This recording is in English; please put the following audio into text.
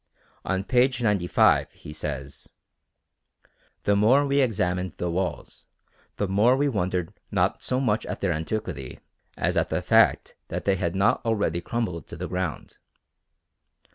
On p. 95 he says, "The more we examined the walls the more we wondered not so much at their antiquity as at the fact that they had not already crumbled to the ground....